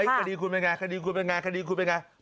คดีคุณเป็นอย่างไรคดีคุณเป็นอย่างไรคดีคุณเป็นอย่างไร